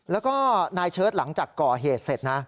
แล้วก็นายเชิดหลังจากก่อเหตุเสร็จนะ